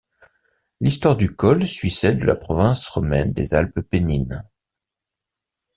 L'histoire du col suit celle de la province romaine des Alpes pennines.